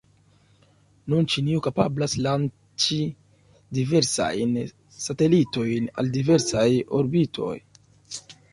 Nun Ĉinio kapablas lanĉi diversajn satelitojn al diversaj orbitoj.